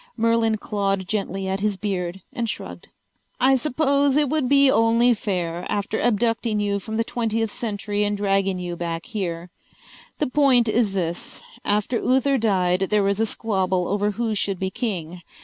Merlin clawed gently at his beard and shrugged. "I suppose it would be only fair, after abducting you from the twentieth century and dragging you back here. The point is this: after Uther died there was a squabble over who should be king.